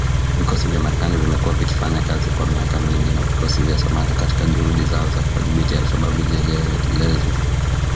Vikosi vya Marekani vimekuwa vikifanya kazi kwa miaka mingi na vikosi vya Somalia katika juhudi zao za kuwadhibiti al-Shabaab ilielezewa.